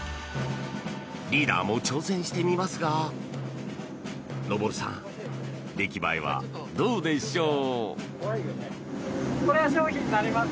リーダーも挑戦してみますが昇さん、出来栄えはどうでしょう？